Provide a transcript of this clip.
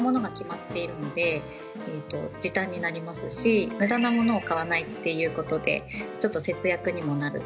半分ちょっとむだなものを買わないっていうことでちょっと節約にもなる。